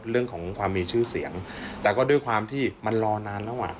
เรื่องของความมีชื่อเสียงแต่ก็ด้วยความที่มันรอนานแล้วอ่ะ